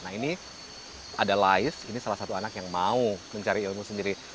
nah ini ada lais ini salah satu anak yang mau mencari ilmu sendiri